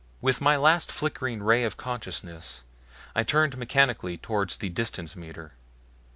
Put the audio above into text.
With my last flickering ray of consciousness I turned mechanically toward the distance meter.